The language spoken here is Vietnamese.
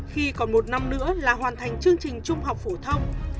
khi còn một năm nữa là hoàn thành chương trình trung học phổ thông